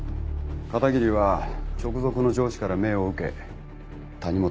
片桐は直属の上司から命を受け谷本逮捕に走った。